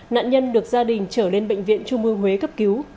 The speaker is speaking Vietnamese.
nạn nhân được gia đình trở lên bệnh viện trung ương huế cấp cứu